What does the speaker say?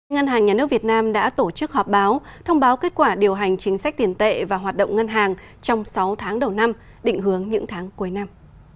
ngân hàng nhà nước việt nam đã tổ chức họp báo thông báo kết quả điều hành chính sách tiền tệ và hoạt động ngân hàng trong sáu tháng đầu năm định hướng những tháng cuối năm